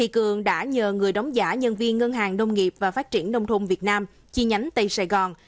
cường đã nhờ người đóng giả nhân viên ngân hàng nông nghiệp và phát triển nông thôn việt nam chi nhánh tây sài gòn